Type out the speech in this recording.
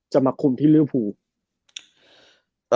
จะมาคุมที่ลิวภูมิ